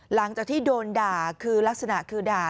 หลังจากที่โดนด่าคือลักษณะคือด่า